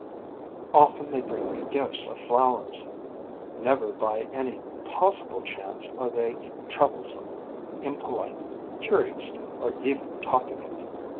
Often they bring me gifts of flowers. Never by any possible chance are they troublesome, impolite, curious, or even talkative.